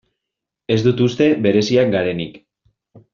Ez dut uste bereziak garenik.